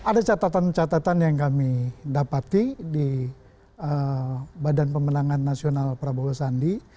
ada catatan catatan yang kami dapati di badan pemenangan nasional prabowo sandi